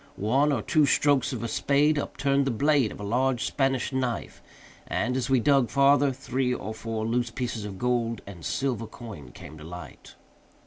One or two strokes of a spade upturned the blade of a large Spanish knife, and, as we dug farther, three or four loose pieces of gold and silver coin came to light.